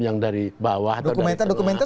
yang dari bawah dokumenter dokumenter